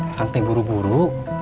akang teh buru buru